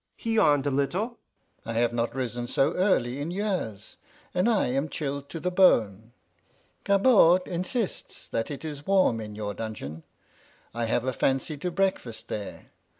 He yawned a little. "I have not risen so early in years, and I am chilled to the bone. Gabord insists that it is warm in your dungeon; I have a fancy to breakfast there.